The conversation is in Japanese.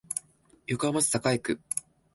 横浜市栄区